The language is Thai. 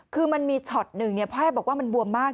คือมันมีช็อตหนึ่งแพทย์บอกว่ามันบวมมาก